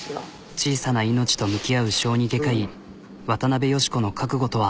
小さな命と向き合う小児外科医渡邉佳子の覚悟とは。